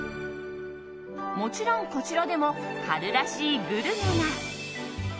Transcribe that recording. もちろん、こちらでも春らしいグルメが。